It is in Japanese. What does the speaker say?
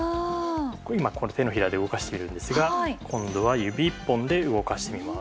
今この手のひらで動かしているんですが今度は指一本で動かしてみます。